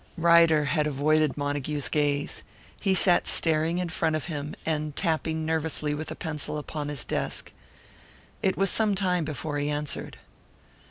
Ryder had avoided Montague's gaze; he sat staring in front of him, and tapping nervously with a pencil upon his desk. It was some time before he answered.